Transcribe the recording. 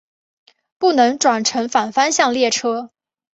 不能转乘反方向列车。